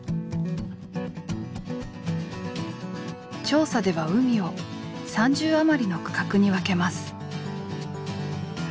調査では海を３０余りの区画に分けます。